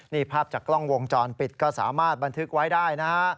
นี่ภาพจากกล้องวงจรปิดก็สามารถบันทึกไว้ได้นะฮะ